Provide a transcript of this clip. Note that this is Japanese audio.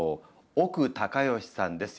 奥隆善さんです。